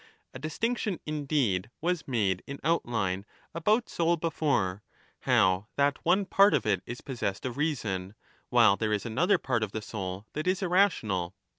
A distinction, indeed, was made in outline ^ about soul before, how that one part of it is possessed of reason, while there is another part of the 15 soul that is irrational.